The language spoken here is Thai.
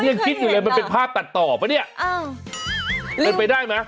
ยังคิดอยู่เลยมันเป็นภาพตัดต่อปะเนี่ยเป็นไปได้ไหม